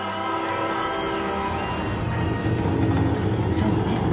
そうね。